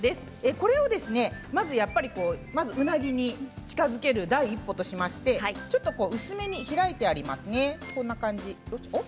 これをまずうなぎに近づく第一歩としまして薄めに開いてありますね。